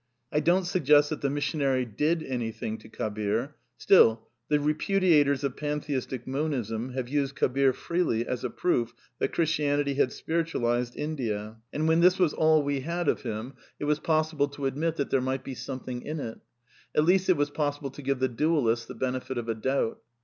I don't suggest that the missionary "did anything" to Kabir. Still, the repudiators of Pantheistic Monism have used Kabir freely as a proof that Christianity had " spiritualized '^ India ; and when this was all we had of THE NEW MYSTICISM 283 him it was possible to admit that there might be some thing in it. At least it was possible to give the dualists the benefit of a doubt.